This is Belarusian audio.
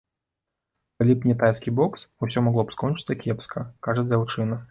Калі б не тайскі бокс, усё магло б скончыцца кепска, кажа дзяўчына.